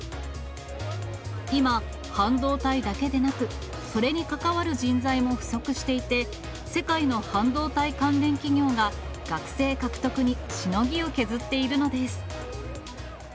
今、半導体だけでなく、それに関わる人材も不足していて、世界の半導体関連企業が学生獲得にしのぎを削っているのです。